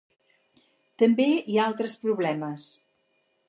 També hi ha altres problemes.